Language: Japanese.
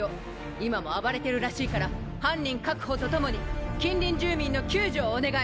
今も暴れてるらしいから犯人確保と共に近隣住民の救助をお願い！